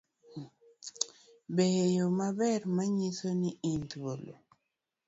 Bed eyo maber manyiso ni in thuolo